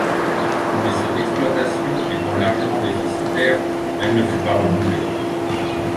Mais cette exploitation étant largement déficitaire, elle ne fut pas renouvelée.